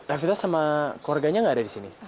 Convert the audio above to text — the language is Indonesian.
evita sama keluarganya enggak ada di sini